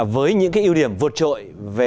với những cái ưu điểm vượt trội về